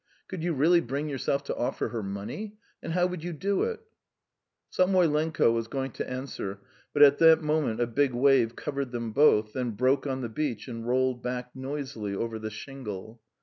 Could you really bring yourself to offer her money? And how would you do it?" Samoylenko was going to answer, but at that moment a big wave covered them both, then broke on the beach and rolled back noisily over the shingle.